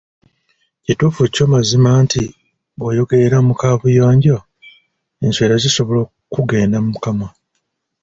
Kituufu kyo mazima nti bw’oyogerera mu kaabuyonjo enswera zisobola okukugenda mu kamwa.